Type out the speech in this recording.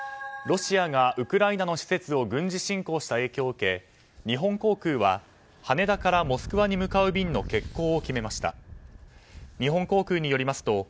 ロシアがウクライナの施設を軍事侵攻した影響を受け日本航空は羽田からモスクワに向かう便の欠航を決めました。